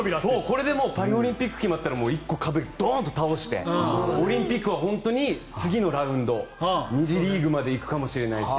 これでパリオリンピックが決まったら１個、壁をドーンと倒してオリンピックは本当に次のラウンド２次リーグまで行くかもしれないし。